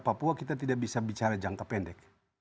papua kita tidak bisa bicara jangka pendek